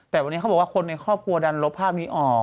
แต่วันนี้เขาบอกว่าคนในครอบครัวดันลบภาพนี้ออก